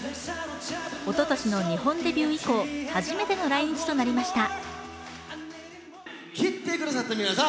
おととしの日本デビュー以降、初めての来日となりました。